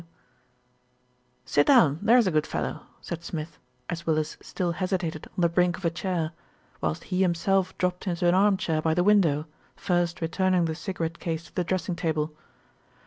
T.W. "Sit down, there's a good fellow," said Smith, as Willis still hesitated on the brink of a chair, whilst he himself dropped into an arm chair by the window, first returning the cigarette case to the dressing table.